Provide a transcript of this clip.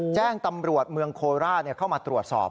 แจ้งตำรวจเมืองโคราชเข้ามาตรวจสอบ